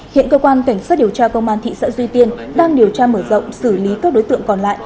hiện cơ quan cảnh sát điều tra công an thị xã duy tiên đang điều tra mở rộng xử lý các đối tượng còn lại